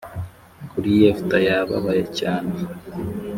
kuki yefuta yababaye cyane ?